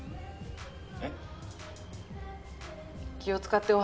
えっ？